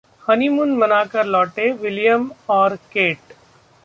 honeymoon मनाकर लौटे William और केट